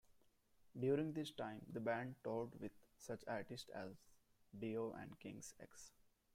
During this time, the band toured with such artists as Dio and King's X.